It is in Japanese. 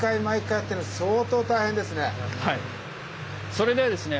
それではですね